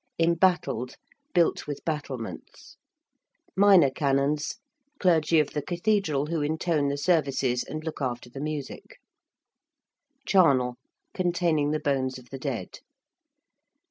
~Embattled~: built with battlements. ~minor canons~: clergy of the cathedral who intone the services and look after the music. ~charnel~: containing the bones of the dead.